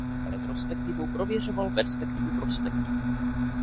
Retrospektivou prověřoval perspektivu prospektu.